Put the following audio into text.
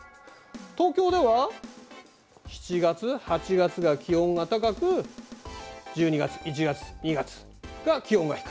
東京では７月８月が気温が高く１２月１月２月が気温が低い。